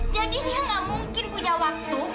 jadi dia nggak mungkin punya waktu